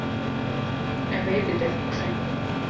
Ew ê bi dest bixe.